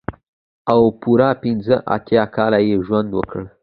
او پوره پنځه اتيا کاله يې ژوند وکړ.